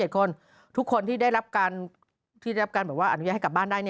๑๓๗คนทุกคนที่ได้รับการอนุญาตให้กลับบ้านได้